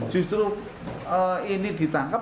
justru ini ditangkap